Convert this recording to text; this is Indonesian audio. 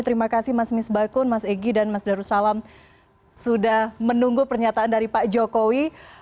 terima kasih mas mis bakun mas egy dan mas darussalam sudah menunggu pernyataan dari pak jokowi